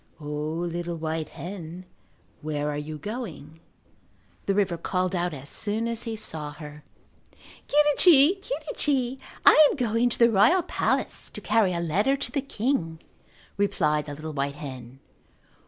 "O, little white hen, where are you going?" the river called out as soon as he saw her. "Quirrichi, quirrichi, I am going to the royal palace to carry a letter to the king," replied the little white hen.